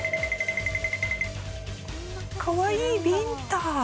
かわいいビンタ？